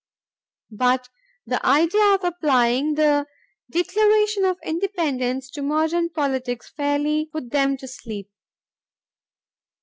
But the idea of applying the Declaration of Independence to modern politics fairly put them to sleep.